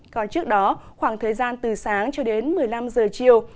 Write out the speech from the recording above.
còn trước đó khoảng thời gian từ sáng cho đến một mươi năm giờ chiều